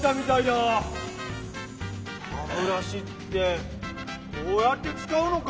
はブラシってこうやってつかうのか。